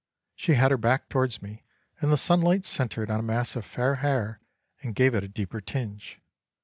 She had her back towards me, and the sunlight centred on a mass of fair hair and gave it a deeper tinge.